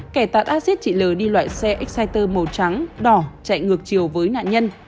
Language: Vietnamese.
kẻ tạt acid chị t d l đi loại xe exciter màu trắng đỏ chạy ngược chiều với nạn nhân